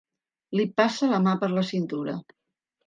Li passa la mà per la cintura.